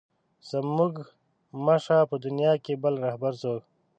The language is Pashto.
زموږ مه شه په دنیا کې بل رهبر څوک.